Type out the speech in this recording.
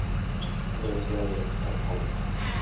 Universidad de São Paulo.